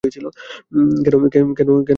কেন আমাকে অপরাধী করলে?